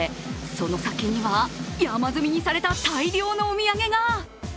その先には山積みにされた大量のお土産が。